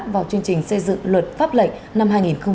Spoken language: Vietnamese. vào chương trình xây dựng luật pháp lệnh năm hai nghìn hai mươi